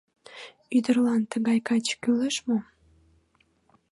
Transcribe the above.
Ӱдырлан тыгай каче кӱлеш мо?